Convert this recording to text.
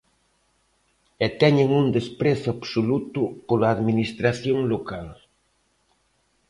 E teñen un desprezo absoluto pola Administración local.